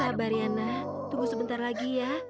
sabar yana tunggu sebentar lagi ya